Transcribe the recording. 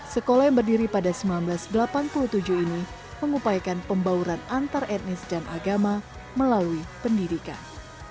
sekolah yang berdiri pada seribu sembilan ratus delapan puluh tujuh ini mengupayakan pembauran antar etnis dan agama melalui pendidikan